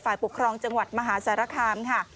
ปกครองจังหวัดมหาสารคามค่ะ